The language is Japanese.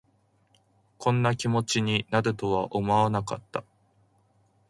こんな気持ちになるとは思わなかった